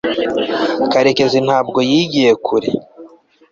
karekezi ntabwo yagiye kure